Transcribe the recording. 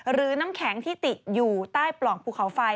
น้ำแข็งที่ติดอยู่ใต้ปล่องภูเขาไฟ